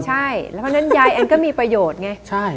ใช่แล้วพอนั้นยายแอนด์ก็มีประโยชน์ไง